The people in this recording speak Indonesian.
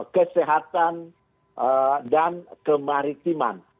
kesehatan dan kemaritiman